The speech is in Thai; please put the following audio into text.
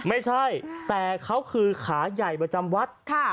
ไม่ใช่แต่เขาคือขาใหญ่ประจำวัด